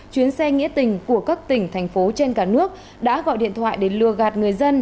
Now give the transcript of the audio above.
chuyến xe nghĩa tình của các tỉnh thành phố trên cả nước đã gọi điện thoại để lừa gạt người dân